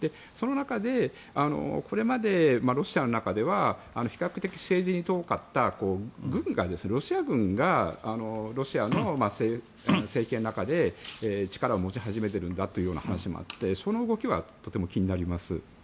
その中で、これまでロシアの中では比較的政治に遠かったロシア軍がロシアの政権の中で力を持ち始めているんだという話もあってその動きはとても気になります。